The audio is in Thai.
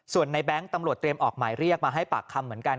ส่วนในแบงค์ตำรวจเตรียมออกหมายเรียกมาให้ปากคำเหมือนกัน